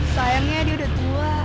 sayangnya dia udah tua